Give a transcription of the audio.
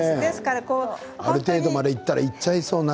ある程度までいったらいっちゃいそうになる。